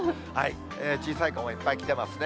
小さい子もいっぱい来てますね。